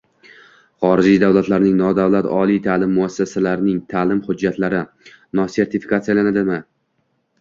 Xorijiy davlatlarning nodavlat oliy ta’lim muassasalarining ta’lim hujjatlari nostrifikatsiyalanadimi?